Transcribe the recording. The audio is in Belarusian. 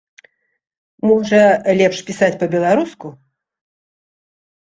Можа, лепш пісаць па-беларуску?